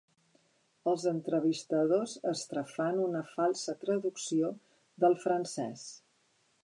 Els entrevistadors estrafan una falsa traducció del francès.